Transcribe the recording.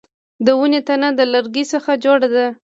د ونې تنه د لرګي څخه جوړه ده